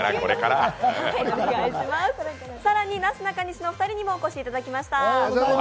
更になすなかにしの２人にもお越しいただきました。